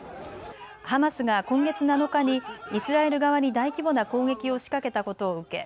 ハマスが今月７日にイスラエル側に大規模な攻撃を仕掛けたことを受け